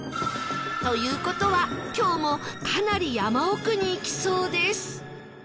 という事は今日もかなり山奥に行きそうです